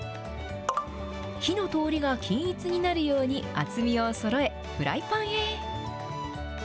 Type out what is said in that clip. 火の通りが均一になるように、厚みをそろえ、フライパンへ。